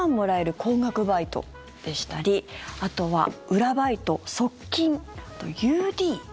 高額バイトでしたりあとは裏バイト、即金ＵＤ。